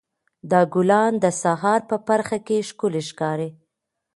دا ګلان د سهار په پرخه کې ښکلي ښکاري.